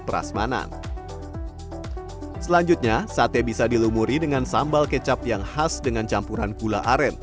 perasmanan selanjutnya sate bisa dilumuri dengan sambal kecap yang khas dengan campuran gula aren